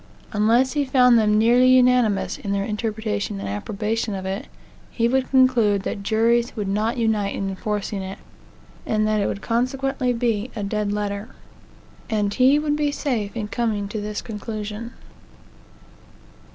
Unless he found them nearly unanimous in their interpretation and approbation of it, he would conclude that juries would not unite in enforcing it, and that it would consequently be a dead letter. And he would be safe in coming to this conclusion.